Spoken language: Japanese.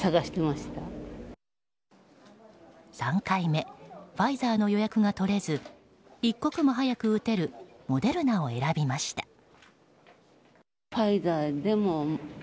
３回目ファイザーの予約が取れず一刻も早く打てるモデルナを選びました。